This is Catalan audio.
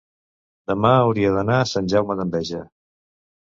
demà hauria d'anar a Sant Jaume d'Enveja.